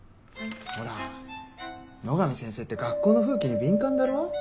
ほら野上先生って学校の風紀に敏感だろ。